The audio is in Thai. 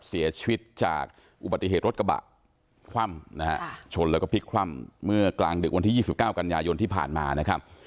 เสียชีวิตจากอุบัติเหตุรถกระบะคว่ำนะฮะชนแล้วก็พลิกคว่ำเมื่อกลางดึกวันที่๒๙กันยายนที่ผ่านมานะครับ